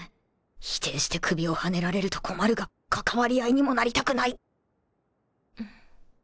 否定して首をはねられると困るが関わり合いにもなりたくない